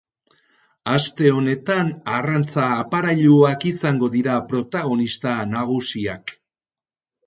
Aste honetan arrantza-aparailuak izango dira protagonista nagusiak.